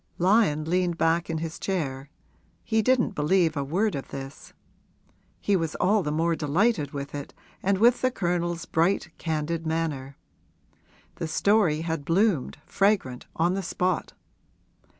Lyon leaned back in his chair he didn't believe a word of this. He was all the more delighted with it and with the Colonel's bright, candid manner. The story had bloomed, fragrant, on the spot.